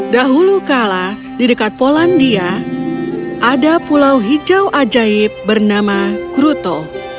dahulu kala di dekat polandia ada pulau hijau ajaib bernama kruto